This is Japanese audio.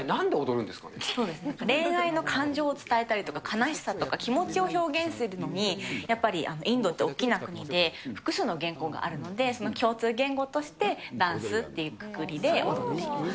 そうですね、恋愛の感情を伝えたりとか、悲しさとか、気持ちを表現するのに、やっぱりインドって大きな国で、複数の言語があるので、その共通言語として、ダンスっていうくくりで踊っています。